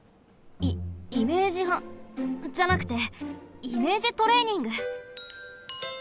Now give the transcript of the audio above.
イメージハじゃなくてイメージトレーニング。